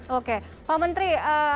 bertahap dan sistematik pembinaannya